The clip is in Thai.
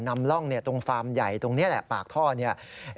นำร่องตรงฟาร์มใหญ่ตรงนี้แหละปากท่อเนี่ย